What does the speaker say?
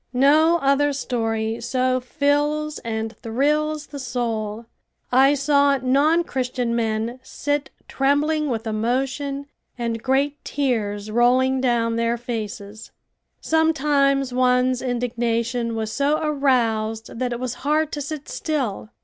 No other story so fills and thrills the soul. I saw non Christian men sit trembling with emotion and great tears rolling down their faces. Sometimes one's indignation was so aroused that it was hard to sit still.